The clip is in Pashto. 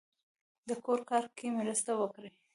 د کور کار کې مرسته وکړئ